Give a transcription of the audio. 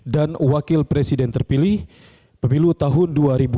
dan wakil presiden terpilih pemilu tahun dua ribu sembilan belas